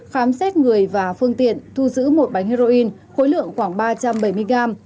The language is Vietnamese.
khám xét người và phương tiện thu giữ một bánh heroin khối lượng khoảng ba trăm bảy mươi gram